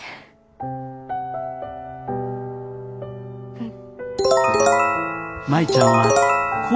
うん。